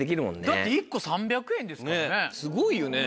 だって１個３００円ですからね。